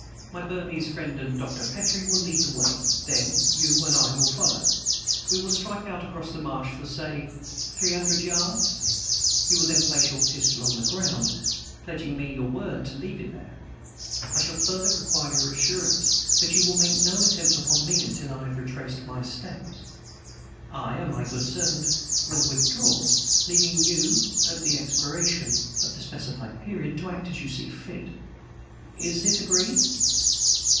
My Burmese friend and Doctor Petrie will lead the way, then; you and I will follow. We will strike out across the marsh for, say, three hundred yards. You will then place your pistol on the ground, pledging me your word to leave it there. I shall further require your assurance that you will make no attempt upon me until I have retraced my steps. I and my good servant will withdraw, leaving you, at the expiration of the specified period, to act as you see fit. Is it agreed?"